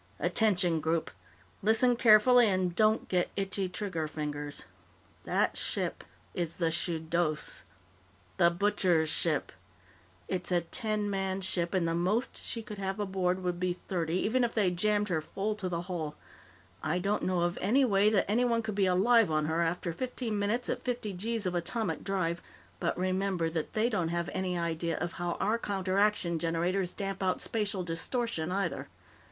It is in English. "Attention, Group. Listen carefully and don't get itchy trigger fingers. That ship is the Shudos. The Butcher's ship. It's a ten man ship, and the most she could have aboard would be thirty, even if they jammed her full to the hull. I don't know of any way that anyone could be alive on her after fifteen minutes at fifty gees of atomic drive, but remember that they don't have any idea of how our counteraction generators damp out spatial distortion either.